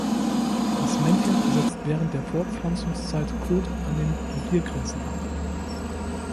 Das Männchen setzt während der Fortpflanzungszeit Kot an den Reviergrenzen ab.